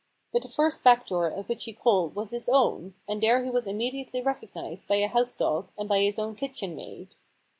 But the first back door at which he called was his own, and there he was immediately recognised by a house dog and by his own kitchen maid.